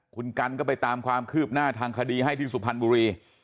คุณกันก็ไปตามความคืบหน้าทางคดีให้ที่สุพรรณบุรี